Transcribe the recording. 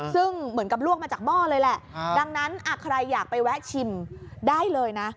ซึ่งเหมือนกับลวกมาจากหม้อเลยแหละดังนั้นใครอยากไปแวะชิมได้เลยนะ